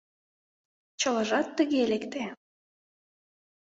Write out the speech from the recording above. Чылажат тыге лекте.